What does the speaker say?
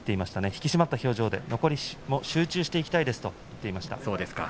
引き締まった表情で残りも集中していきたいと話しています。